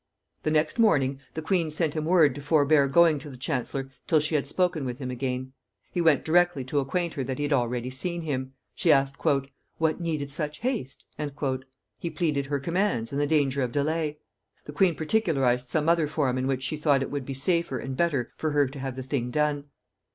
The next morning, the queen sent him word to forbear going to the chancellor till she had spoken with him again. He went directly to acquaint her that he had already seen him. She asked, "what needed such haste?" He pleaded her commands, and the danger of delay. The queen particularized some other form in which she thought it would be safer and better for her to have the thing done.